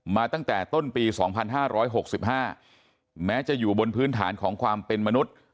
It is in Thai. มาตั้งแต่ต้นปี๒๕๖๕แม้จะอยู่บนพื้นฐานของความเป็นมนุษย์